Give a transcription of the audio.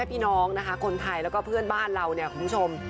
พี่น้องค่ะคนไทยและก็เพื่อนบ้านเราคุณผู้ชม